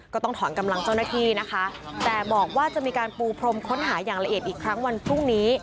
ก็ต้องถอนกำลังเจ้าหน้าที่นะคะแต่บอกว่าจะมีการปูพรมค้นหาอย่างละเอียดอีกครั้งวันพรุ่งนี้